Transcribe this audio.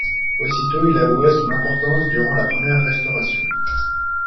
Aussitôt il avouait son importance durant la première Restauration.